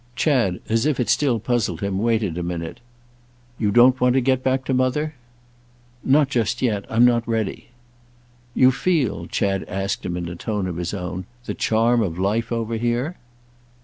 Chad, as if it still puzzled him, waited a minute. "You don't want to get back to Mother?" "Not just yet. I'm not ready." "You feel," Chad asked in a tone of his own, "the charm of life over here?"